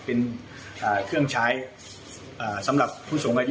เป็นเครื่องใช้สำหรับผู้สูงอายุ